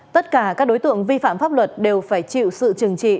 tất cả các đối tượng vi phạm pháp luật đều phải chịu sự trừng trị